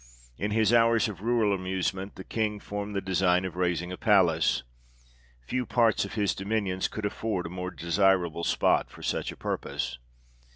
In his hours of rural amusements the king formed the design of raising a palace. Few parts of his dominions could afford a more desirable spot for such a purpose.